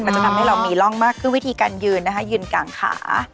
จะทำให้เรามีร่องมากขึ้นวิธีการยืนนะคะยืนกลางขา